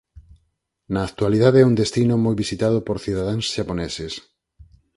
Na actualidade é un destino moi visitado por cidadáns xaponeses.